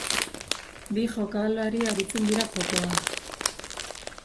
Bi jokalari aritzen dira jokoan.